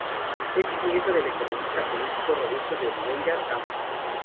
Es nieto del economista y político Roberto de Oliveira Campos.